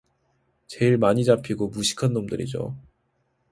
제일 많이 잡히고 무식한 놈들이죠